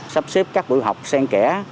sắp xếp các buổi học sen kẻ